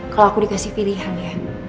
kalau aku dikasih pilihan ya